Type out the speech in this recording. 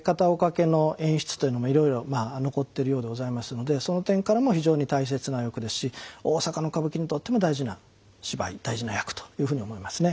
家の演出というのもいろいろ残っているようでございますのでその点からも非常に大切なお役ですし大阪の歌舞伎にとっても大事な芝居大事な役というふうに思いますね。